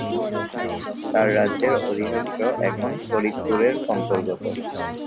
তার রাজ্যের অধিকাংশ এখন ফরিদপুরের অন্তর্গত।